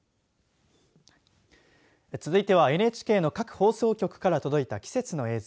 続いてはＮＨＫの各放送局から届いた季節の映像。